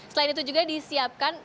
selain itu juga disiapkan